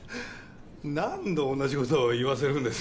何度同じことを言わせるんです。